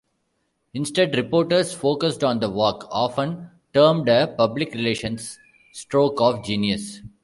Instead, reporters focused on the walk, often termed a public relations stroke of genius.